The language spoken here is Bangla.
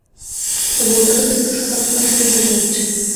তবে ওটাকে তো একটু সকাল সকাল সেরে ফেলতে হচ্ছে।